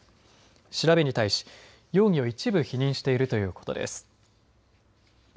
調べに対し容疑を一部否認しているということです。